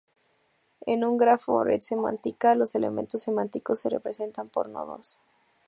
En un grafo o red semántica los elementos semánticos se representan por nodos.